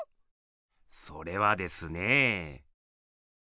それはですね